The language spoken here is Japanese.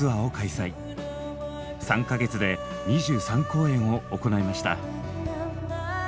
３か月で２３公演を行いました。